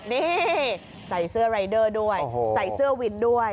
นี่ใส่เสื้อรายเดอร์ด้วยใส่เสื้อวินด้วย